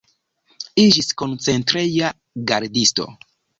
Iĝis koncentreja gardisto.